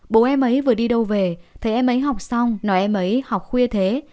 bố em ấy vừa đi đâu về thấy em ấy học xong nói em ấy học khuya thế